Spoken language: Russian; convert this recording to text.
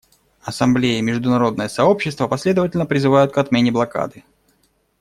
Ассамблея и международное сообщество последовательно призывают к отмене блокады.